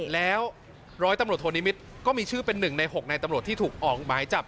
แล้วร้อยตำรวจโทนิมิตรก็มีชื่อเป็น๑ใน๖ในตำรวจที่ถูกออกหมายจับ